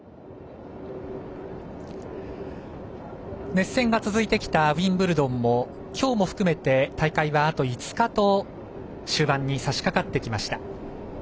熱戦が続いてきたウィンブルドンも今日も含めて大会はあと５日と終盤にさしかかってきました。